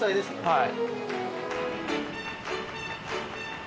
はい。